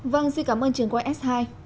vâng xin cảm ơn trường quân s hai